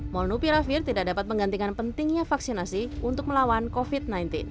molnupiravir tidak dapat menggantikan pentingnya vaksinasi untuk melawan covid sembilan belas